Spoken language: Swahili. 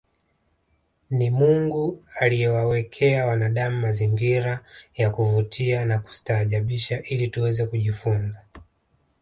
Ni Mungu aliyewawekea wanadamu mazingira ya kuvutia na kustaajabisha ili tuweze kujifunza